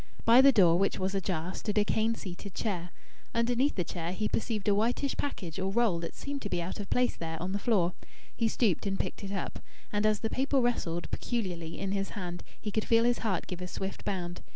By the door, which was ajar, stood a cane seated chair. Underneath the chair he perceived a whitish package or roll that seemed to be out of place there on the floor. He stooped and picked it up. And as the paper rustled peculiarly in his hand, he could feel his heart give a swift bound.